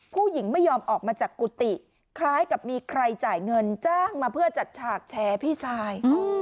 ผู้หญิงไม่ยอมออกมาจากกุฏิคล้ายกับมีใครจ่ายเงินจ้างมาเพื่อจัดฉากแชร์พี่ชาย